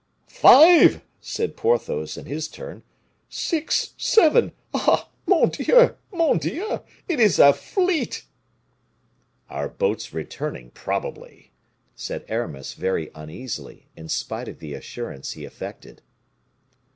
"Five!" said Porthos, in his turn. "Six! seven! Ah! mon Dieu! mon Dieu! it is a fleet!" "Our boats returning, probably," said Aramis, very uneasily, in spite of the assurance he affected.